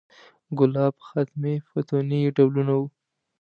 ګلاب، ختمي، فتوني یې ډولونه و.